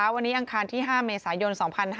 วันนี้อังคารที่๕เมษายน๒๕๕๙